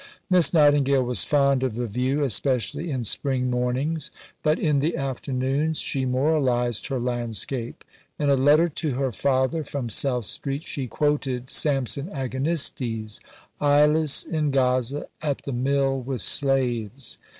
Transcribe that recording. Miss Nightingale was fond of the view, especially in spring mornings, but in the afternoons she moralized her landscape. In a letter to her father from South Street she quoted Samson Agonistes: "_Eyeless in Gaza, at the mill with slaves.